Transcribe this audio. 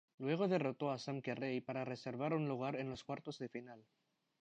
Luego derrotó a Sam Querrey para reservar un lugar en los cuartos de final.